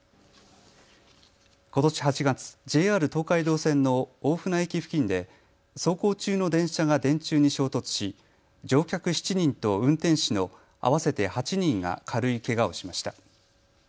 ことし８月、ＪＲ東海道線の大船駅付近で走行中の電車が電柱に衝突し乗客７人と運転士の合わせて８人が軽いけがをしました。